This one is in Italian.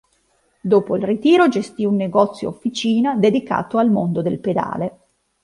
Dopo il ritiro gestì un negozio-officina dedicato al mondo del pedale.